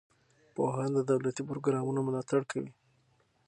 پوهان د دولتي پروګرامونو ملاتړ کوي.